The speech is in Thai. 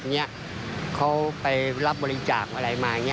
นี้เขาไปรับบริจาคอะไรมาอย่างนี้